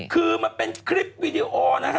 คือมันเป็นคลิปวีดีโอนะฮะ